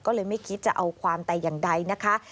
ก็เลยไม่คิดจะเอาความแต่อย่างใดนะคะ